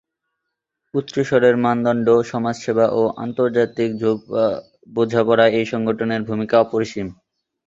উচ্চস্তরের মানদণ্ড, সমাজ সেবা ও আন্তর্জাতিক বোঝাপড়ায় এ সংগঠনের ভূমিকা অপরিসীম।